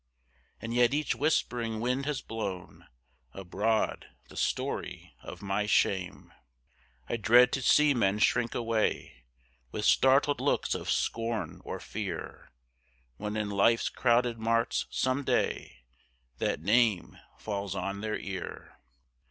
And yet each whispering wind has blown Abroad the story of my shame. I dread to see men shrink away With startled looks of scorn or fear, When in life's crowded marts some day, That name falls on their ear.